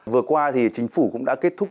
vừa qua thì chính phủ cũng đã kết thúc